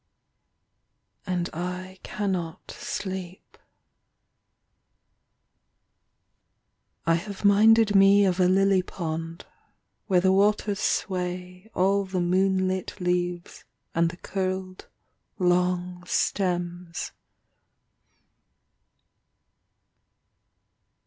... And I cannot sleep. I have minded me Of a lily pond, Where the waters sway All the moonlit leaves And the curled long stems.